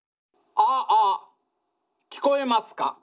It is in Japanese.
ああ聞こえますか。